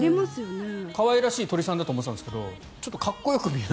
可愛らしい鳥さんだと思っていたんですけどちょっとかっこよく見える。